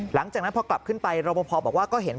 หลังจากนั้นพอกลับขึ้นไปรบพอบอกว่าก็เห็น